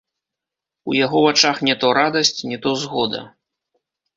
У яго вачах не то радасць, не то згода.